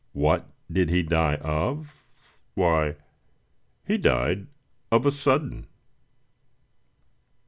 "What did he die of? why, he died of a sudden!"